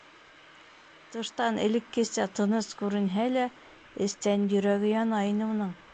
Тыштан элеккесә тыныс күренһә лә, эстән йөрәге яна ине уның.